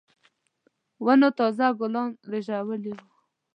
ونو تازه ګلان رېژولي وو.